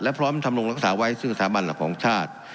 พร้อมทำลงรักษาไว้ซึ่งสถาบันหลักของชาติ